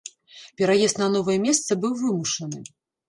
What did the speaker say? Пераезд на новае месца быў вымушаны.